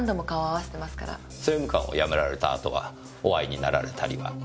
政務官を辞められた後はお会いになられたりは？